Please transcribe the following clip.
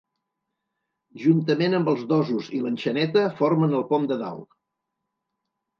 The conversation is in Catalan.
Juntament amb els dosos i l'enxaneta formen el pom de dalt.